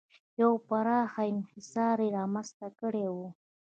یو پراخ انحصار یې رامنځته کړی و.